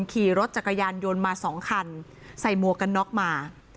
ขี่รถจักรยานยนต์มาสองคันใส่หมวกกันน็อกมา